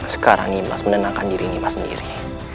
sekarang nimas menenangkan diri nimas sendiri